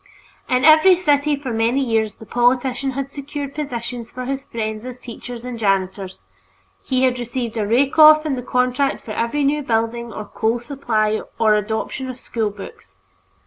In every city for many years the politician had secured positions for his friends as teachers and janitors; he had received a rake off in the contract for every new building or coal supply or adoption of school books.